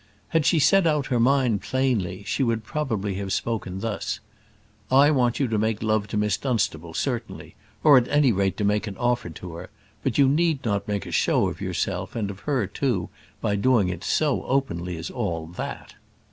Had she said out her mind plainly, she would probably have spoken thus: "I want you to make love to Miss Dunstable, certainly; or at any rate to make an offer to her; but you need not make a show of yourself and of her, too, by doing it so openly as all that."